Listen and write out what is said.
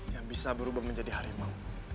yang bisa berubah menjadi harimau